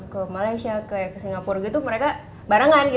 ke malaysia ke singapura gitu mereka barengan